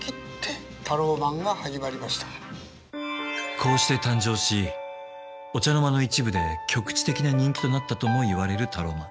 こうして誕生しお茶の間の一部で局地的な人気となったともいわれるタローマン。